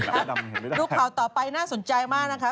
ครับลูกข่าวต่อไปน่าสนใจมากนะครับ